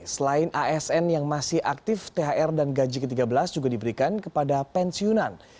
selain asn yang masih aktif thr dan gaji ke tiga belas juga diberikan kepada pensiunan